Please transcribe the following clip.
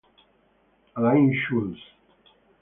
Alain Schultz